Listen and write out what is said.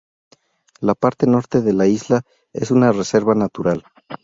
La parte norte de la isla es una reserva natural.